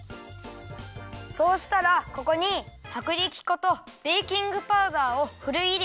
そうしたらここにはくりき粉とベーキングパウダーをふるいいれて。